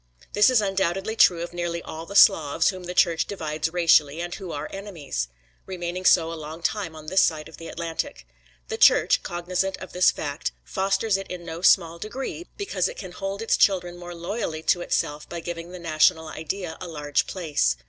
This is undoubtedly true of nearly all the Slavs whom the Church divides racially and who are enemies; remaining so a long time on this side of the Atlantic. The Church, cognizant of this fact, fosters it in no small degree, because it can hold its children more loyally to itself by giving the national idea a large place.